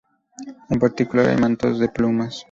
En particular, hay mantos de plumas.